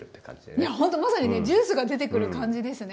いやほんとまさにねジュースが出てくる感じですね。